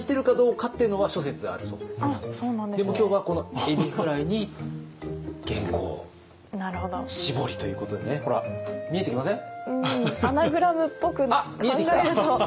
でも今日はこのエビフライに元寇をしぼりということでねほら見えてきません？